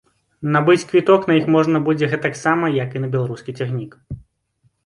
Набыць квіток на іх можна будзе гэтаксама, як і на беларускі цягнік.